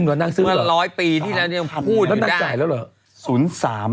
กับป่าหรอละ๑๐๐ปี้ยังพูดอยู่น่ะ